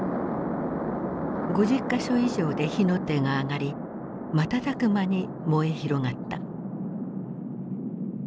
５０か所以上で火の手が上がり瞬く間に燃え広がった。